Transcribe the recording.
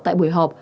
tại buổi họp